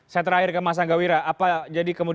saya terakhir ke mas angga wira